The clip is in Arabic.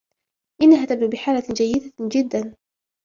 إنها تبدو بحالة جيدة جداً.